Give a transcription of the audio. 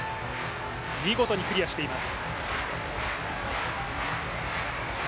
見事にクリアしています。